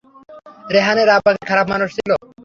রেহানের আব্বা কি খারাপ মানুষ ছিল?